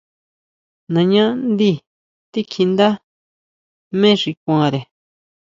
Nañá ndí tikjíʼndá jmé xi kuanre.